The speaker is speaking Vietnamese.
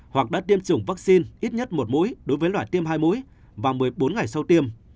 hoặc đã tiêm chủng vaccine ít nhất một mũi đối với loài tiêm hai mũi và một mươi bốn ngày sau tiêm